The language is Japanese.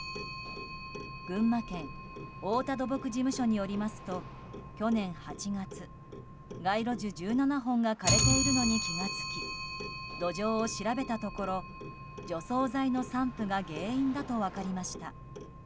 群馬県太田土木事務所によりますと去年８月、街路樹１７本が枯れているのに気が付き土壌を調べたところ除草剤の散布が原因だと分かりました。